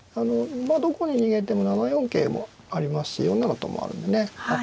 どこに逃げても７四桂もありますし４七ともあるのでねあっ